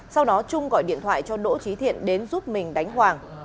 sau đó trung gọi điện thoại cho đỗ trí thiện đến giúp mình đánh hoàng